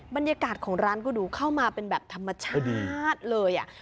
บรรยากาศของร้านก็ดูเข้ามาเป็นแบบธรรมชาติเลย